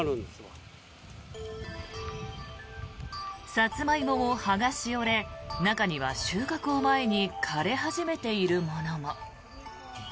サツマイモも葉がしおれ中には収穫を前に枯れ始めているものも。